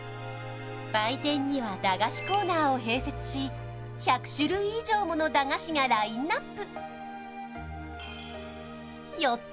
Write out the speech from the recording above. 売店には駄菓子コーナーを併設し１００種類以上もの駄菓子がラインナップよっ